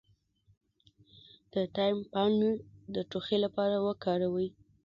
د تایم پاڼې د ټوخي لپاره وکاروئ